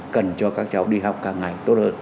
cần cho các cháu đi học càng ngày tốt hơn